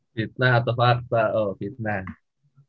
fitnah atau fakta oh fitnah